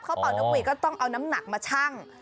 เขาเปาไต๊กุ๋ยก็ต้องเอาน้ำหนักมาชั่ง